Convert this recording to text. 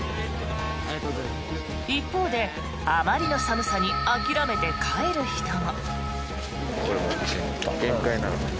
一方で、あまりの寒さに諦めて帰る人も。